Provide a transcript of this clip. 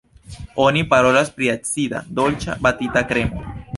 Oni parolas pri acida, dolĉa, batita kremo.